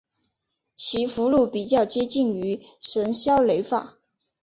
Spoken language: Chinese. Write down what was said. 其符箓比较接近于神霄雷法。